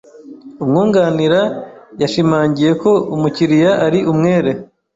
Umwunganira yashimangiye ko umukiriya ari umwere.